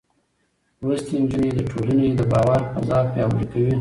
لوستې نجونې د ټولنې د باور فضا پياوړې کوي.